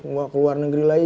nggak ke luar negeri lagi